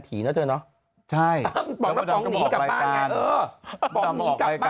นะเธอเนอะใช่ป๋องแล้วป๋องหนีกลับบ้านไงเออป๋องหนีกลับบ้าน